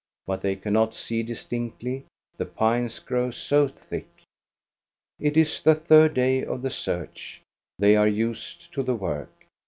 But they cannot see distinctly, the pines grow so thick. It is the third day of the search ; they are used to the work.